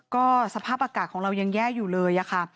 ก็สภาพอากาศของเรายังแย่อยู่เลยค่ะ